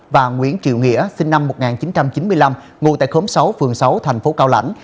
và nguyễn triệu nghĩa sinh năm một nghìn chín trăm chín mươi năm ngụ tại khóm sáu phường sáu thành phố cao lãnh